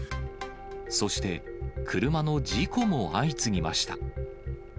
そして、車の事故も相次ぎました。